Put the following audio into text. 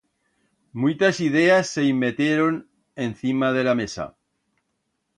Muitas ideas se i metieron encima de la mesa.